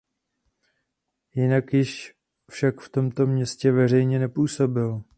Jinak již však v tomto městě veřejně nepůsobil.